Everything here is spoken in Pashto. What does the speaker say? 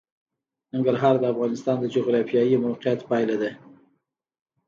ننګرهار د افغانستان د جغرافیایي موقیعت پایله ده.